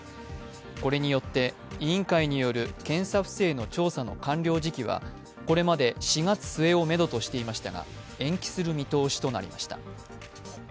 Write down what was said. これによって委員会による検査不正の調査の完了時期はこれまで４月末をめどとしていましたが延期する見通しとなりました。